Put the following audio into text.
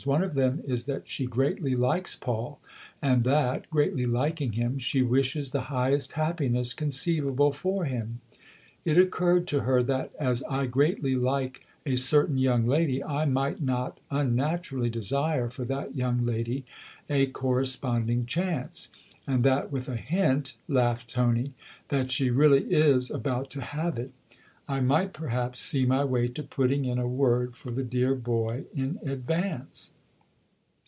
One of them is that she greatly likes Paul and that, greatly liking him, she wishes the highest happiness conceivable for him. It occurred to her that as I greatly like a certain young lady I might not unnaturally desire for that young lady a correspond THE OTHER HOUSE 167 ing chance, and that with a hint," laughed Tony, " that she really is about to have it, I might perhaps see my way to putting in a word for the dear boy in advance."